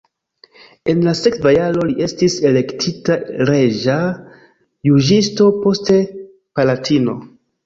En la sekva jaro li estis elektita reĝa juĝisto, poste palatino.